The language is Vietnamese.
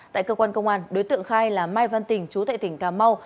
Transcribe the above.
tại cơ quan công an đối tượng khai là mai văn tình chú tại tỉnh cà mau